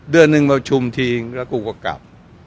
เดือนหนึ่งประชุมทิ้งแล้วกูก็กลับ